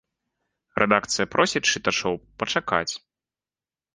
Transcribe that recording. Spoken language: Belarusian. Рэдакцыя просіць чытачоў пачакаць.